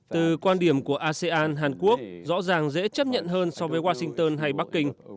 từ quan điểm của asean hàn quốc rõ ràng dễ chấp nhận hơn so với washington hay bắc kinh